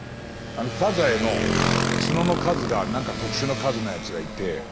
サザエの角の数がなんか特殊な数のやつがいて。